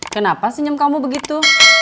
kenapa senyum kamu begitu